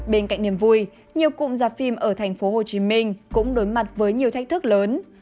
bên cạnh niềm vui nhiều cụm giạp phim ở tp hcm cũng đối mặt với nhiều thách thức lớn